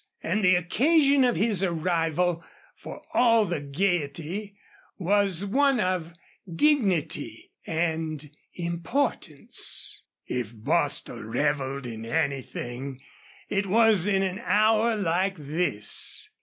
And the occasion of his arrival, for all the gaiety, was one of dignity and importance. If Bostil reveled in anything it was in an hour like this.